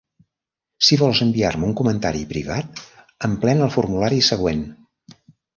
Si vols enviar-me un comentari privat, emplena el formulari següent.